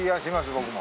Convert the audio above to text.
僕も。